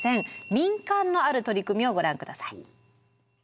民間のある取り組みをご覧下さい。